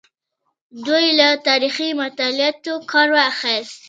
دوی له تاریخي مطالعاتو کار واخیست.